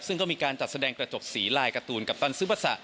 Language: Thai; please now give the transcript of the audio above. ซึ่งก็มีการจัดแสดงกระจกสีลายการ์ตูนกัปตันซึบัสะ